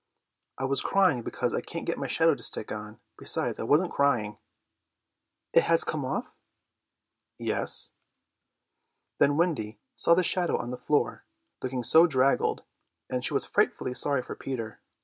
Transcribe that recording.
"I was crying because I can't get my shadow to stick on. Besides, I wasn't crying." "It has come off?" "Yes." Then Wendy saw the shadow on the floor, looking so draggled, and she was frightfully sorry for Peter.